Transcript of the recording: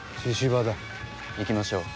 行きましょう。